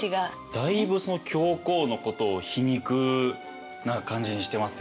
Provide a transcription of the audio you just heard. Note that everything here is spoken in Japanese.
だいぶその教皇のことを皮肉な感じにしてますよね。